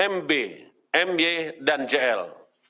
mb my dan jl